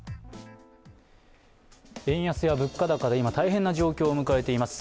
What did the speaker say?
円安や物価高で今、大変な状況を迎えています。